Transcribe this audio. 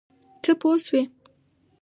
څه پوه شوې؟